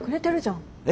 え？